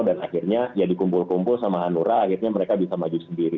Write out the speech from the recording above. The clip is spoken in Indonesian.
dan akhirnya ya dikumpul kumpul sama hanura akhirnya mereka bisa maju sendiri